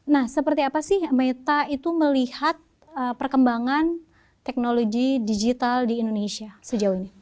nah seperti apa sih meta itu melihat perkembangan teknologi digital di indonesia sejauh ini